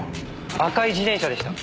赤い自転車でした。